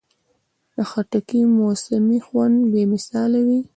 د خټکي موسمي خوند بې مثاله وي.